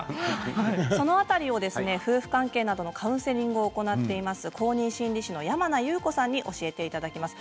この辺り、夫婦関係などのカウンセリングを行っている公認心理師の山名裕子さんに教えていただきます。